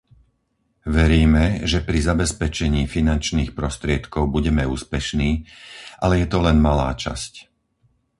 Veríme, že pri zabezpečení finančných prostriedkov budeme úspešní, ale je to len malá časť.